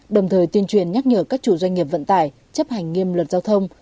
đồng thời tuyên truyền nhắc nhở các chủ doanh nghiệp vận tải chấp hành nghiêm luật giao thông